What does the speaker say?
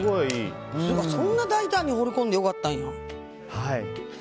そんな大胆に放り込んでよかったんや。